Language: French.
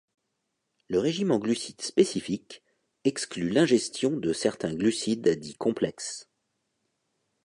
Le régime en glucides spécifiques exclut l'ingestion de certains glucides dits complexes.